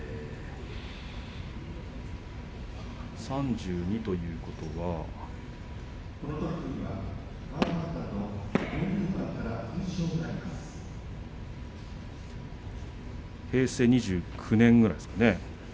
３２ということは平成２９年ぐらいですかね。